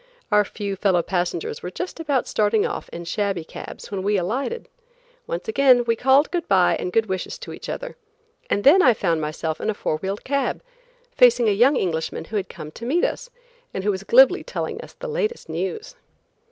Our few fellow passengers were just about starting off in shabby cabs when we alighted. Once again we called goodbye and good wishes to each other, and then I found myself in a four wheeled cab, facing a young Englishman who had come to meet us and who was glibly telling us the latest news.